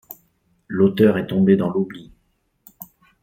L'auteur est tombé dans l'oubli.